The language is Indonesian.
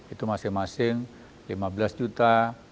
itu masing masing lima belas juta